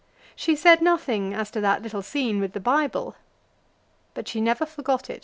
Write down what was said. She said nothing as to that little scene with the Bible, but she never forgot it.